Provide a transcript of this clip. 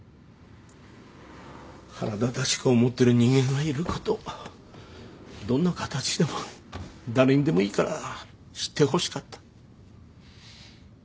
腹立たしく思ってる人間がいることをどんな形でも誰にでもいいから知ってほしかった。